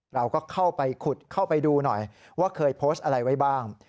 เราก็เข้าไปขุดเข้าไปดูหน่อยว่าเคยโพสต์อะไรไว้บ้าง